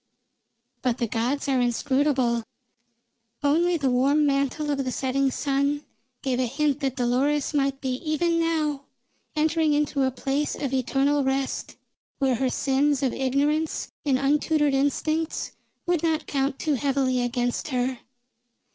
But the gods are inscrutable. Only the warm mantle of the setting sun gave a hint that Dolores might be even now entering into a place of eternal rest, where her sins of ignorance and untutored instincts would not count too heavily against her.